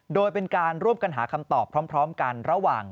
โดยเป็นการร่วมกันหาคำตอบพร้อมกันระหว่าง